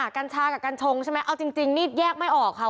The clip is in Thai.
กัญชากับกัญชงใช่ไหมเอาจริงนี่แยกไม่ออกค่ะ